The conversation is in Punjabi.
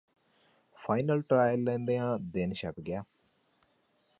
ਫਾਈਨਲ ਟਰਾਇਲ ਲੈਂਦਿਆਂ ਦਿਨ ਛਿਪ ਗਿਆ